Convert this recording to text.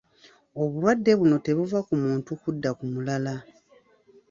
Obulwadde buno tebuva ku muntu kudda ku mulala